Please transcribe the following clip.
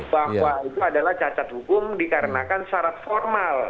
bahwa itu adalah cacat hukum dikarenakan syarat formal